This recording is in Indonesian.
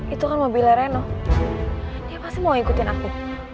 itu kan mobilnya reno dia pasti mau ngikutin aku